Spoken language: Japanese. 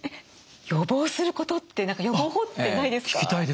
予防することって何か予防法ってないですか？